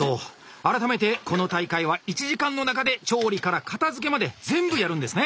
改めてこの大会は１時間の中で調理から片づけまで全部やるんですね。